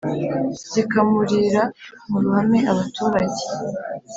zikamurira mu ruhame abaturage